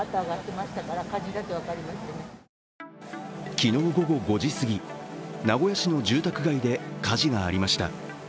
昨日午後５時すぎ、名古屋市の住宅街で火事がありました。